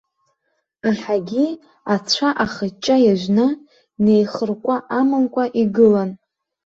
Аҳагьы ацәа ахыҷҷа иажәны, неихыркәа амамкәа игылан.